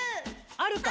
あるか？